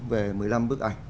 về một mươi năm bức ảnh